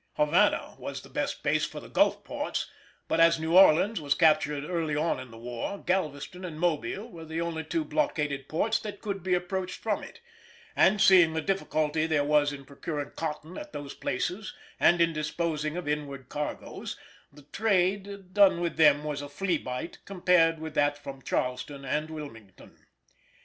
Havana was the best base for the Gulf ports, but as New Orleans was captured early on in the war, Galveston and Mobile were the only two blockaded ports that could be approached from it; and seeing the difficulty there was in procuring cotton at those places and of disposing of inward cargoes, the trade done with them was a flea bite compared with that from Charleston and Wilmington.